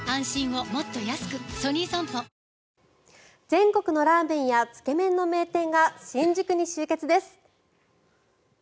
全国の、ラーメンやつけ麺の名店が新宿に集結です。